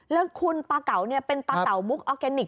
แล้วคุณปลาเก๋าเป็นประเตาบุ๊คอออร์แกนิค